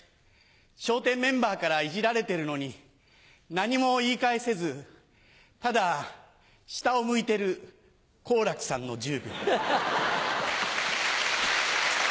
笑点メンバーからいじられてるのに何も言い返せずただ下を向いてる好楽さんの１０秒。